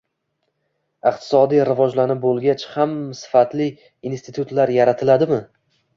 Iqtisodiy rivojlanib boʻlgach ham sifatli institutlar yaratiladimi?